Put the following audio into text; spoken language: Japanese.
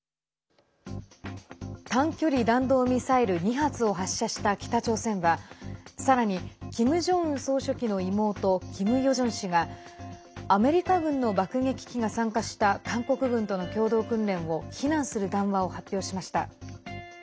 短距離弾道ミサイル２発を発射した北朝鮮はさらにキム・ジョンウン総書記の妹キム・ヨジョン氏がアメリカ軍の爆撃機が参加した韓国軍との共同訓練を非難する談話を発表しました。